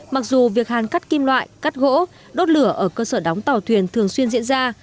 mặc dù việc hàn cắt kim loại cắt gỗ đốt lửa ở cơ sở đóng tàu thuyền thường xuyên diễn ra